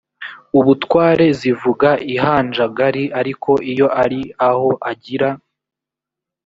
ubutware zivuga ihanjagari ariko iyo ari aho agira